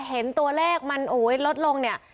เห็นตัวเลขมันลดลงเนี่ย